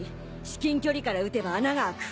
至近距離から撃てば穴が開く。